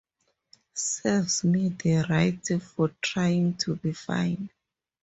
Serves me right for trying to be fine.